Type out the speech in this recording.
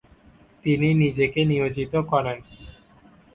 তিনি নিজেকে নিয়োজিত করেন।